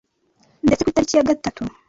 ndetse ku itariki ya gatatu